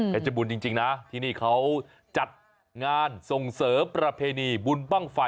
เพชรบูรณ์จริงนะที่นี่เขาจัดงานส่งเสริมประเพณีบุญปั้งไฟ